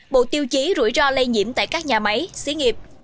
bộ tiêu chí rủi ro lây nhiễm tại các nhà máy xí nghiệp